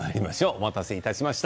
お待たせいたしました。